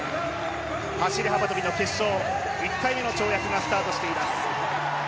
走幅跳の決勝、１回目の跳躍がスタートしています。